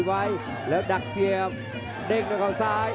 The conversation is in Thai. โอ้โหไม่พลาดกับธนาคมโด้แดงเขาสร้างแบบนี้